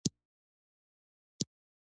آمو سیند د افغانستان د سیلګرۍ یوه برخه ده.